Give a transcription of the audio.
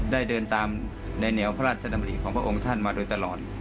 เดินตามในแนวพระราชดำริของพระองค์ท่านมาโดยตลอด